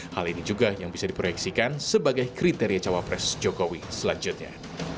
hal ini juga yang bisa diproyeksikan sebagai kriteria cawapres jokowi selanjutnya